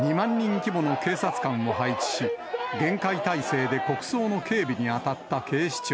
２万人規模の警察官を配置し、厳戒態勢で国葬の警備に当たった警視庁。